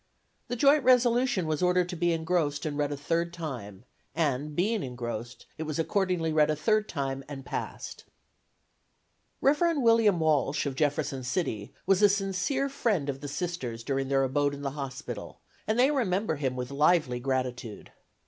The joint resolution was ordered to be engrossed and read a third time and, being engrossed, it was accordingly read a third time and passed. Rev. William Walsh, of Jefferson City, was a sincere friend of the Sisters during their abode in the hospital, and they remember him with lively gratitude.